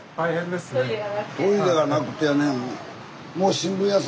トイレがなくてやね。